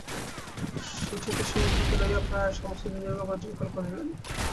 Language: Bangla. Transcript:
সুচেতসিংহকে লইয়া প্রায় সমস্ত দিন দুর্গ পর্যবেক্ষণ করিলেন।